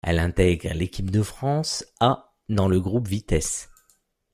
Elle intègre l'équipe de France A dans le groupe Vitesse.